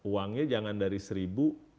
uangnya jangan dari seribu